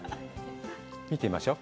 見てみましょう。